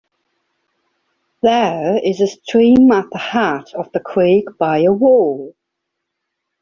There is a stream at the head of the creek by a wall.